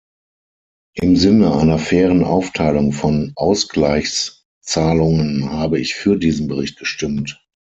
Im Sinne einer fairen Aufteilung von Ausgleichszahlungen habe ich für diesen Bericht gestimmt.